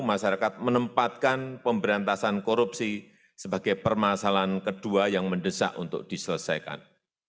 masyarakat menempatkan pemberantasan korupsi sebagai permasalahan kedua yang mendesak untuk diselesaikan